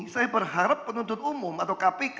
saya berharap penuntut umum atau kpk